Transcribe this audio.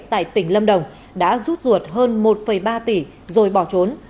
tại tỉnh lâm đồng đã rút ruột hơn một ba tỷ rồi bỏ trốn